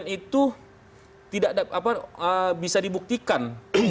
itu tidak bisa dibuktikan